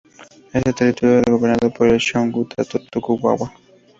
Este territorio era gobernado por el Shogunato Tokugawa.